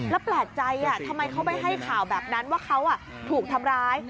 แล้วแปลกใจทำไมเขาไปให้ข่าวแบบนั้นว่าเขาถูกทำร้าย